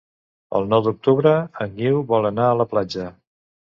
El nou d'octubre en Guiu vol anar a la platja.